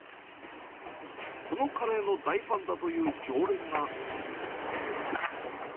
このカレーの大ファンだという常ナハ！